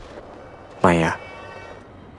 ไมอ่ะ